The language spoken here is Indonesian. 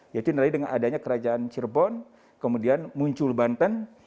yaitu dengan adanya kerajaan cirebon kemudian muncul banten